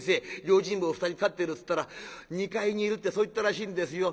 用心棒２人飼ってるっつったら２階にいるってそう言ったらしいんですよ。